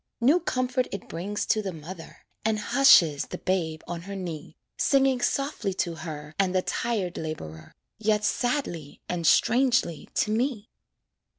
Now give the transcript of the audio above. New comfort it brings to the mother, And hushes the babe on her knee, Singing softly to her And the tired laborer, Yet sadly and strangely to me.